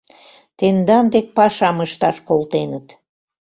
— Тендан дек пашам ышташ колтеныт.